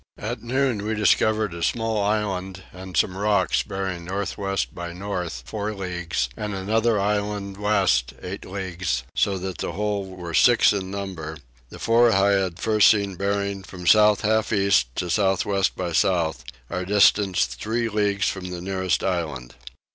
At noon we discovered a small island and some rocks bearing north west by north four leagues, and another island west eight leagues, so that the whole were six in number; the four I had first seen bearing from south half east to south west by south; our distance three leagues from the nearest island.